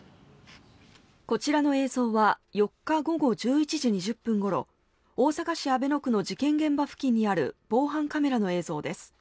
こちらの映像は４日午後１１時２０分ごろ大阪市阿倍野区の事件現場付近にある防犯カメラの映像です。